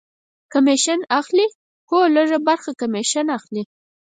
کمیشن اخلي؟ هو، لږ ه برخه کمیشن اخلی